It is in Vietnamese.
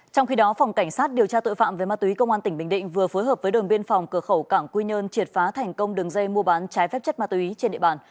trong khi đó phòng cảnh sát điều tra tội phạm về ma túy công an tỉnh bình định vừa phối hợp với đồn biên phòng cửa khẩu cảng quy nhơn triệt phá thành công đường dây mua bán trái phép chất ma túy trên địa bàn